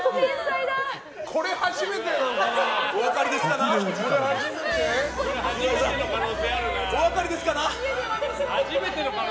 これ初めてなのかな。